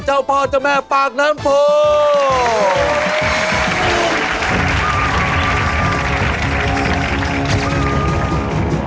เจ้าพ่อเจ้าแม่ปากน้ำโพ